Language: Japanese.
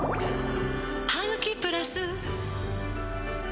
「ハグキプラス」